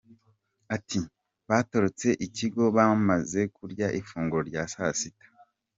Ati “Batorotse ikigo bamaze kurya ifunguro rya saa sita.